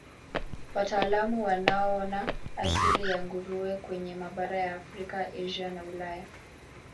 Wataalamu wanaona asili ya nguruwe kwenye mabara ya Afrika, Asia na Ulaya.